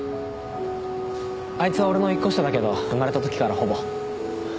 あいつは俺の１個下だけど生まれた時からほぼ。